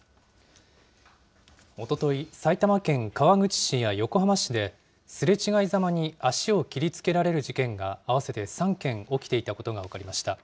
おととい、埼玉県川口市や横浜市で、すれ違いざまに足を切りつけられる事件が合わせて３件起きていたことが分かりました。